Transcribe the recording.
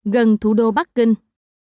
gần thủ đô bắc kinh